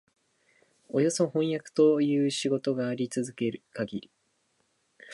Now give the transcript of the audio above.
およそ飜訳という仕事があり続けるかぎり、